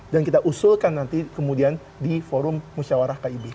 dan kita usulkan nanti kemudian di forum musyawarah kib